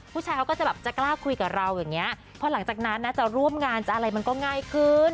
เขาก็จะแบบจะกล้าคุยกับเราอย่างเงี้ยพอหลังจากนั้นนะจะร่วมงานจะอะไรมันก็ง่ายขึ้น